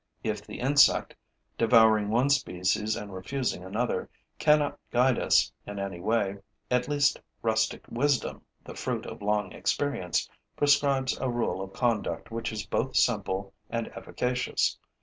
If the insect, devouring one species and refusing another, cannot guide us in any way, at least rustic wisdom, the fruit of long experience, prescribes a rule of conduct which is both simple and efficacious.